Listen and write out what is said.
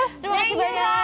terima kasih banyak